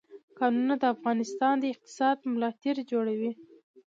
کانونه د افغانستان د اقتصاد ملا تیر جوړوي.